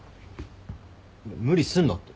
無理すんなって。